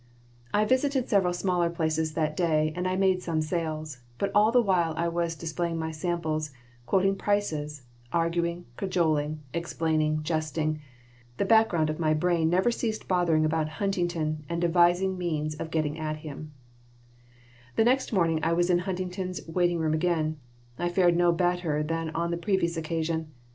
I visited several smaller places that day and I made some sales, but all the while I was displaying my samples, quoting prices, arguing, cajoling, explaining, jesting, the background of my brain never ceased bothering about Huntington and devising means of getting at him The next morning I was in Huntington's waiting room again. I fared no better than on the previous occasion.